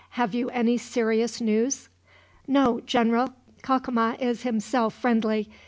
"Have you any serious news?" "No, General. Cacama is himself friendly.